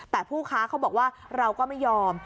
แต่ผู้ค้าเขาบอกว่าเราก็ไม่ยอม